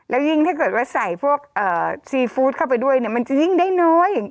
แล้วยิ่งถ้าเกิดว่าใส่พวกซีฟู้ดเข้าไปด้วยเนี่ยมันจะยิ่งได้น้อย